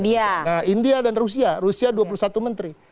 dan jumlah penduduknya lebih banyak dari indonesia